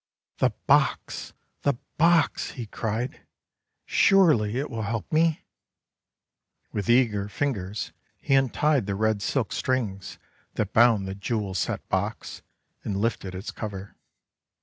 "The box! the box!" he cried. "Surely it will help me!': With eager fingers he untied the red silk strings that bound the jewel set box, and lifted its cover.